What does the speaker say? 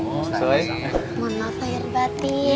mohon maaf lahir batin